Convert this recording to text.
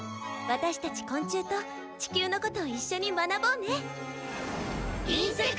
私たち昆虫と地球のこと一緒に学ぼうね。